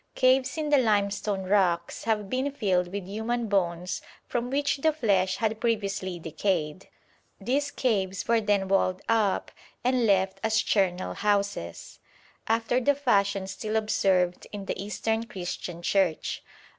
Caves in the limestone rocks have been filled with human bones from which the flesh had previously decayed. These caves were then walled up and left as charnel houses, after the fashion still observed in the Eastern Christian Church.